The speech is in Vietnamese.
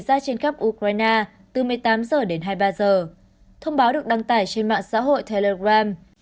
ra trên khắp ukraine từ một mươi tám h đến hai mươi ba giờ thông báo được đăng tải trên mạng xã hội telegram